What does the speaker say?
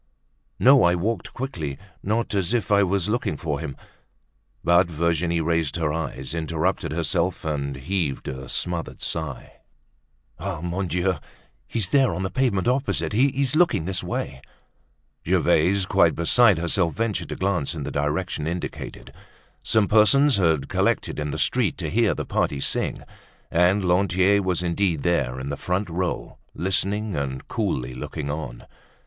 "No, I walked quickly, not as if I was looking for him." But Virginie raised her eyes, interrupted herself and heaved a smothered sigh. "Ah! Mon Dieu! He's there, on the pavement opposite; he's looking this way." Gervaise, quite beside herself, ventured to glance in the direction indicated. Some persons had collected in the street to hear the party sing. And Lantier was indeed there in the front row, listening and coolly looking on.